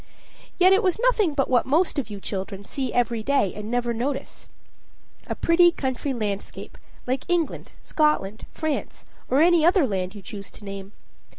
Yet it was nothing but what most of you children see every day and never notice it a pretty country landscape, like England, Scotland, France, or any other land you choose to name.